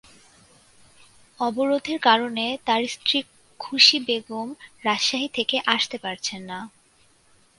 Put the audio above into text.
অবরোধের কারণে তাঁর স্ত্রী খুশি বেগম রাজশাহী থেকে আসতে পারছেন না।